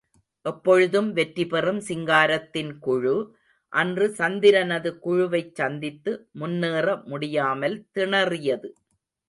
எப்பொழுதும் வெற்றி பெறும் சிங்காரத்தின் குழு, அன்று சந்திரனது குழுவைச் சந்தித்து, முன்னேற முடியாமல் திணறியது.